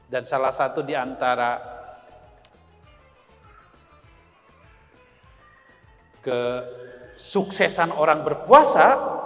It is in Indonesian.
dan salah satu di antara kesuksesan orang berpuasa